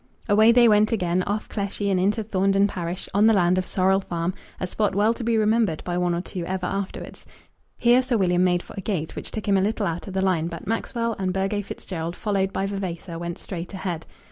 Away they went again, off Cleshey and into Thornden parish, on the land of Sorrel Farm, a spot well to be remembered by one or two ever afterwards. Here Sir William made for a gate which took him a little out of the line, but Maxwell and Burgo Fitzgerald, followed by Vavasor, went straight ahead.